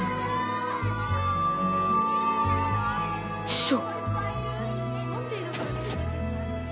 師匠！